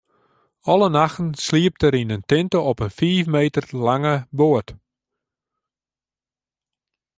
Alle nachten sliept er yn in tinte op in fiif meter lange boat.